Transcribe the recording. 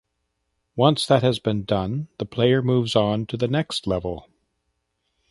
Once that has been done the player moves on to the next level.